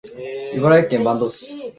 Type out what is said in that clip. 茨城県坂東市